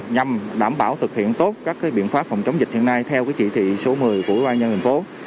nhằm đảm bảo thực hiện tốt các biện pháp phòng chống dịch hiện nay theo chỉ thị số một mươi của quốc gia